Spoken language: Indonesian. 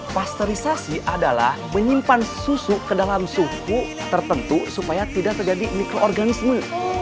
posterisasi adalah menyimpan susu ke dalam suhu tertentu supaya tidak terjadi mikroorganisme